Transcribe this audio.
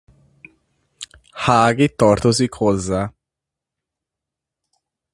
Hági tartozik hozzá.